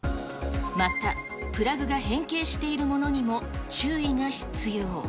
また、プラグが変形しているものにも注意が必要。